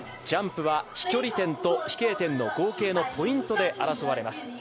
ジャンプは飛距離点と飛型点の合計にポイントで争われます。